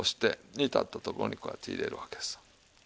煮立ったところにこうやって入れるわけです。